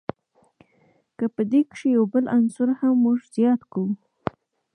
که په دې کښي یو بل عنصر هم ور زیات کو.